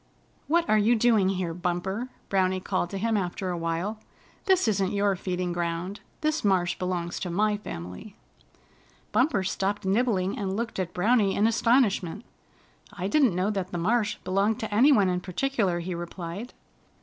"What are you doing here, Bumper?" Browny called to him after a while. "This isn't your feeding ground. This marsh belongs to my family." Bumper stopped nibbling and looked at Browny in astonishment. "I didn't know that the marsh belonged to any one in particular," he replied.